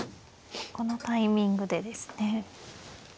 このタイミングでですね。